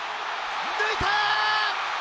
抜いたー！